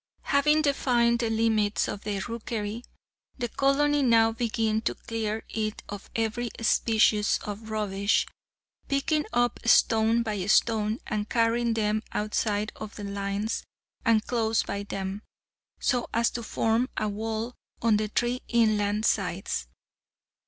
Having defined the limits of the rookery, the colony now begin to clear it of every species of rubbish, picking up stone by stone, and carrying them outside of the lines, and close by them, so as to form a wall on the three inland sides.